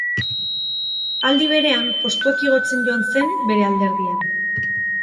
Aldi berean, postuak igotzen joan zen bere alderdian.